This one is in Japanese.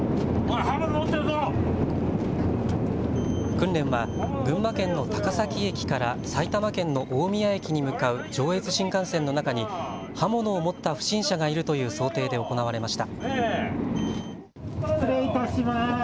訓練は群馬県の高崎駅から埼玉県の大宮駅に向かう上越新幹線の中に刃物を持った不審者がいるという想定で行われました。